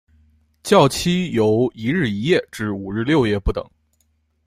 醮期由一日一夜至五日六夜不等。